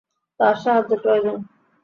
তার সাহায্য প্রয়োজন।